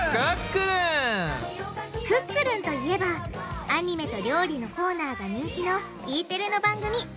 クックルンといえばアニメと料理のコーナーが人気のＥテレの番組。